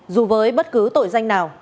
dù với bất cứ tội danh nào